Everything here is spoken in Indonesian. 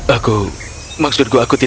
aku akan mencari panggilan ilario